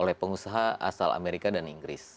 oleh pengusaha asal amerika dan inggris